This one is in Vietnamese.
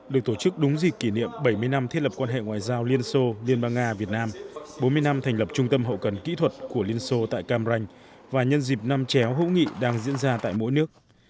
được tổ chức đúng dịp kỷ niệm bảy mươi năm thiết lập quan hệ ngoại giao liên xô liên bang nga việt nam bốn mươi năm thành lập trung tâm hậu cần kỹ thuật của liên xô tại cam ranh và nhân dịp năm chéo hữu nghị đang diễn ra tại mỗi nước